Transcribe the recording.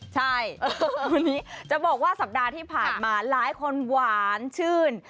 ใช่วันนี้จะบอกว่าสัปดาห์ที่ผ่านมาหลายคนหวานชื่น